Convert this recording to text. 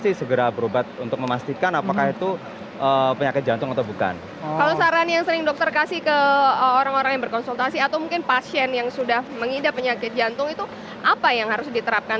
dua ribu lima belas itu penderitaan jantung seluruh dunia itu kalau salah tujuh belas juta ya dokter ya